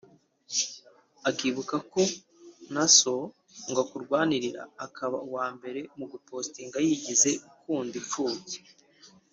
akibuka ko nta So ngo akurwanirire akaba uwambere mu gupostinga yigize ukunda imfubyi